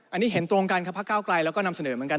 อันนี้เห็นตรงกันครับพระเก้าไกลเราก็นำเสนอเหมือนกัน